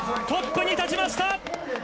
トップに立ちました！